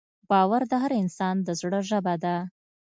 باور د هر انسان د زړه ژبه ده.